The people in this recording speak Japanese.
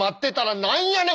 何やねん？